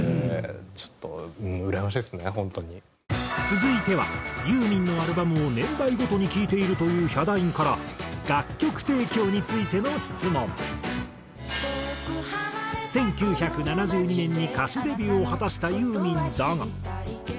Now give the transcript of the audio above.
続いてはユーミンのアルバムを年代ごとに聴いているというヒャダインから１９７２年に歌手デビューを果たしたユーミンだが。